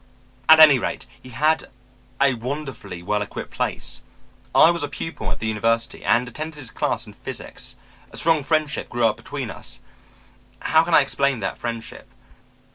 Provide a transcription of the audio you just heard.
"At any rate he had a wonderfully well equipped place. I was a pupil at the University and attended his class in physics. A strong friendship grew up between us. How can I explain that friendship?